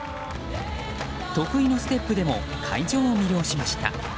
得意のステップでも会場を魅了しました。